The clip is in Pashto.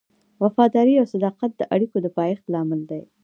وفاداري او صداقت د اړیکو د پایښت لامل دی.